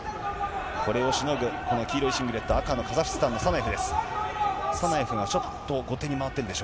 これをしのぐ、この黄色いシングレット、赤のカザフスタンのサナエフです。